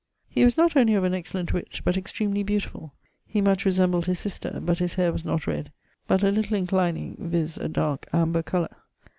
He was not only of an excellent witt, but extremely beautifull; he much resembled his sister, but his haire was not red, but a little inclining, viz. a darke amber colour.